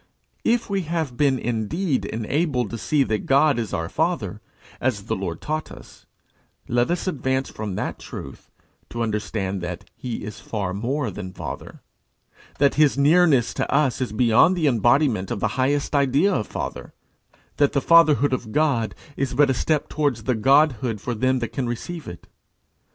If we have been indeed enabled to see that God is our Father, as the Lord taught us, let us advance from that truth to understand that he is far more than father that his nearness to us is beyond the embodiment of the highest idea of father; that the fatherhood of God is but a step towards the Godhood for them that can receive it.